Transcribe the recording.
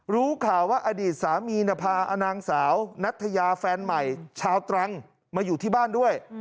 รู้ข่าวว่าอดีตสามีพานางสาวนัทยาแฟนใหม่ชาวตรังมาอยู่ที่บ้านด้วย